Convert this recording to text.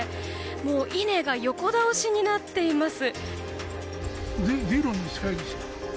もう稲が横倒しになっています。